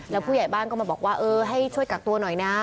แล้วผู้ใหญ่บ้านก็มาบอกว่าเออให้ช่วยกักตัวหน่อยนะ